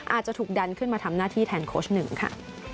อาจจะถูกดันขึ้นมาทำหน้าที่แทนโค้ชหนึ่งค่ะ